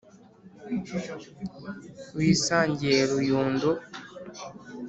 Wisangiye Ruyundo